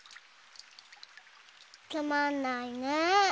つまんないねぇ。